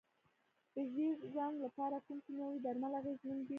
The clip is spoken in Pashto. د ژیړ زنګ لپاره کوم کیمیاوي درمل اغیزمن دي؟